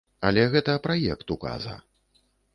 Але гэта праект указа.